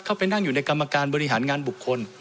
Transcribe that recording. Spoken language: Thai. ไปนั่งอยู่ในกรรมการบริหารงานบุคคล